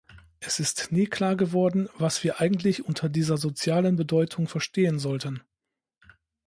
Es ist nie klar geworden, was wir eigentlich unter dieser sozialen Bedeutung verstehen sollten.